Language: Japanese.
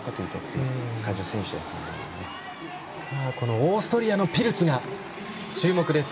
オーストリアのピルツが注目です。